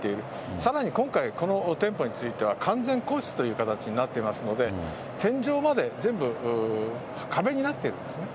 さらに今回、この店舗については完全個室という形になってますので、天井まで全部、壁になってるんですね。